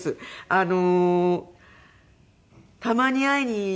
あの。